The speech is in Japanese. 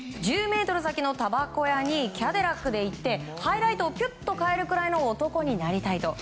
１０ｍ先のたばこ屋にキャデラックで行ってハイライトをピュッと買えるくらいの男になりたいと。